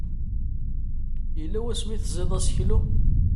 Yella wasmi ay teẓẓiḍ aseklu?